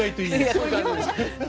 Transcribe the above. そうですね。